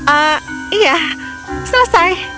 ah iya selesai